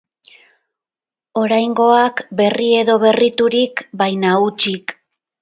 Oraingoak, berri edo berriturik, baina hutsik.